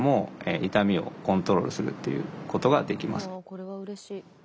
これはうれしい。